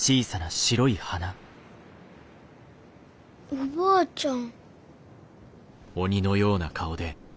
おばあちゃん。